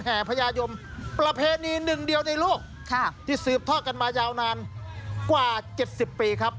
แห่พญายมประเพณีหนึ่งเดียวในลูกที่สืบท่อกันมายาวนานกว่าเจ็ดสิบปีครับ